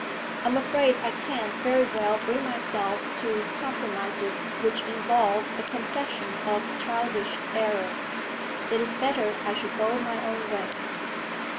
I am afraid I can't very well bring myself to compromises which involve a confession of childish error. It is better I should go my own way.'